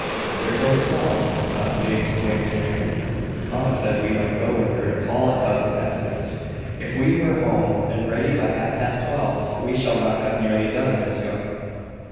"There goes twelve!" softly exclaimed Mary. "Mamma said we might go with her to call at cousin Hester's, if we were home and ready by half past twelve. We shall not have nearly done, Miss Young."